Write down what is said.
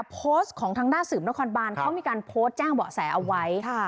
โพสต์ของทางหน้าสื่อบริษัทบานเขามีการโพสต์แจ้งเบาะแสเอาไว้ค่ะ